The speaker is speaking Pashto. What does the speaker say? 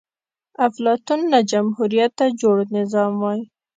افلاطون له جمهوريته جوړ نظام وای